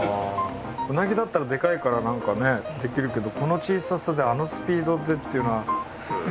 あうなぎだったらでかいからなんかねできるけどこの小ささであのスピードでっていうのは。